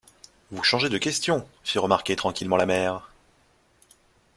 Vous changez de question, fit remarquer tranquillement la mère.